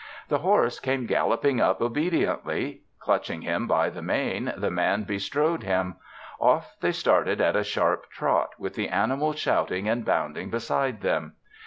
The horse came galloping up obediently. Clutching him by the mane, the Man bestrode him. Off they started at a sharp trot, with the animals shouting and bounding beside them.